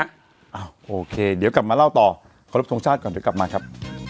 โอเคเดี๋ยวกลับมาเล่าต่อขอรบทรงชาติก่อนเดี๋ยวกลับมาครับ